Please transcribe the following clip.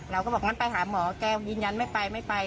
เราก็บอกงั้นไปหาหมอแกยืนยันไม่ไปไม่ไป